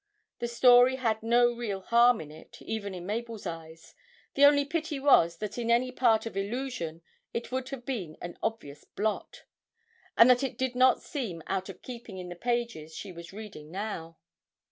The story had no real harm in it, even in Mabel's eyes; the only pity was that in any part of 'Illusion' it would have been an obvious blot and that it did not seem out of keeping in the pages she was reading now.